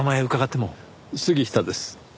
杉下です。